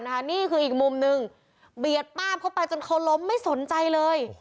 มีอีกมุมนึงเขาเหมือนกันสิในกระบาดหน้าเขาไปเขาล้มไม่สนใจเลย